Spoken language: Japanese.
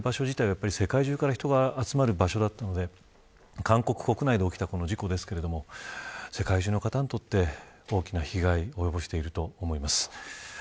梨泰院は世界中から人が集まる場所なので韓国国内で起きた事故ですが世界中の方にとって大きな被害を及ぼしていると思います。